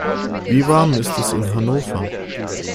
Wie warm ist es in Hannover?